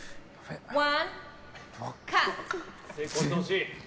成功してほしい。